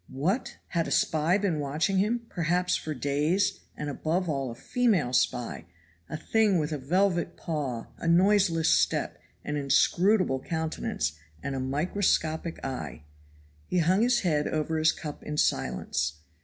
What! had a spy been watching him perhaps for days and above all a female spy a thing with a velvet paw, a noiseless step, an inscrutable countenance, and a microscopic eye. He hung his head over his cup in silence.